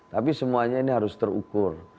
tapi semuanya ini harus terukur